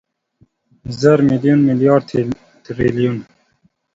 زر، ميليون، ميليارد، تریلیون